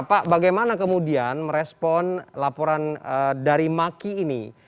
pak bagaimana kemudian merespon laporan dari maki ini